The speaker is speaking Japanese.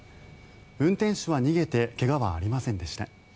運転手は逃げて怪我はありませんでした。